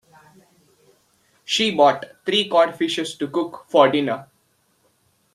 She bought three cod fishes to cook for dinner.